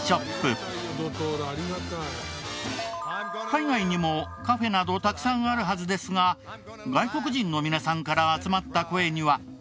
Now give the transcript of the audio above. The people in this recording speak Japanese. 海外にもカフェなどたくさんあるはずですが外国人の皆さんから集まった声には。